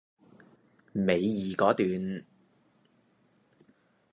尾二嗰段